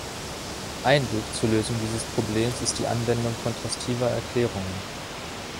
Ein Weg zur Lösung dieses Problems ist die Anwendung kontrastiver Erklärungen.